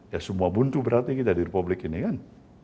ya semua buntu berarti kita di republik ini kan